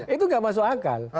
itu nggak masuk akal